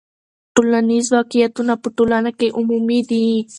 ټولنیز واقعیتونه په ټولنه کې عمومي دي.